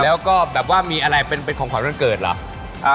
แล้วก็แบบว่ามีอะไรเป็นของขวัญวันเกิดเหรอ